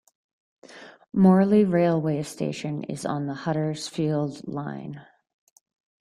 Morley railway station is on the Huddersfield Line.